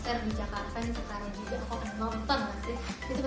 sebenernya gak ada karena aku